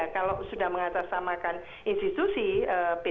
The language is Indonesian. kalau sudah mengatassamakan institusi p tiga